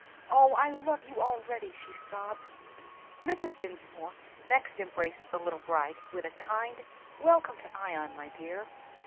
"Oh, I love you already," she sobbed. Mrs. Dinsmore next embraced the little bride with a kind, "Welcome to Ion, my dear."